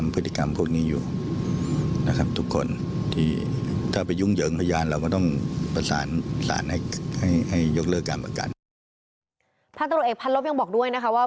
พระตัวเอกพันลบยังบอกด้วยนะคะว่า